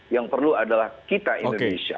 yang perlu adalah kita indonesia